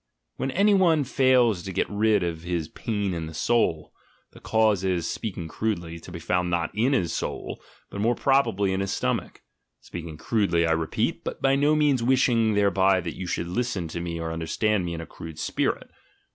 When any one fails to get rid of ihis "pain in the soul," the cause is, speaking crudely, to be found not in his "soul" but more probably in his stomach (speaking crudely, I repeat, but by no means wishing thereby that you should listen to me or under stand me in a crude spirit).